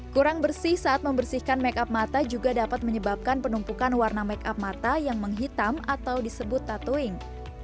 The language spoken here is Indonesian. kurang bersih saat membersihkan makeup mata juga dapat menyebabkan penumpukan warna makeup mata yang menghitam atau disebut tattooing